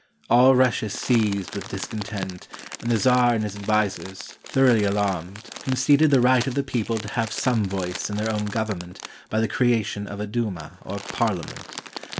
All Russia seethed with discontent, and the czar and his advisers, thor oughly alarmed, conceded the right of the people to have some voice in their own government by the creation of a douma, or parliament.